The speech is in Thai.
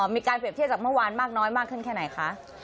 มีการเปรียบเทียบจากเมื่อวานมากน้อยมากขึ้นแค่ไหนคะ